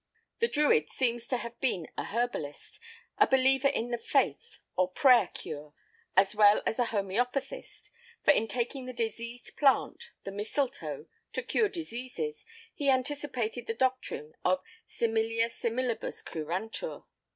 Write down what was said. The Druid seems to have been a herbalist, a believer in the faith or prayer cure, as well as a homœopathist, for in taking the diseased plant, the mistletoe, to cure diseases he anticipated the doctrine of similia similibus curantur.